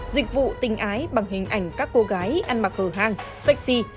dịch vụ tình ái bằng hình ảnh các cô gái ăn mặc hờ hang sexy